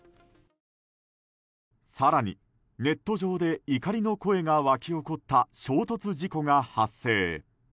更に、ネット上で怒りの声が沸き起こった衝突事故が発生。